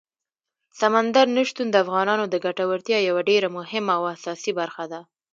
سمندر نه شتون د افغانانو د ګټورتیا یوه ډېره مهمه او اساسي برخه ده.